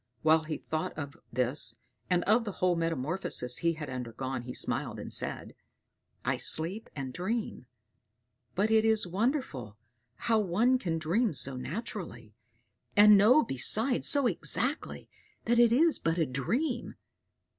While he thought of this and of the whole metamorphosis he had undergone, he smiled and said, "I sleep and dream; but it is wonderful how one can dream so naturally, and know besides so exactly that it is but a dream.